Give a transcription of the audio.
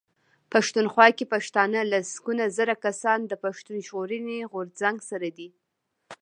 پښتونخوا کې پښتانه لسګونه زره کسان د پښتون ژغورني غورځنګ سره دي.